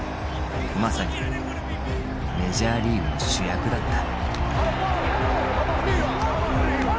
まさにメジャーリーグの主役だった。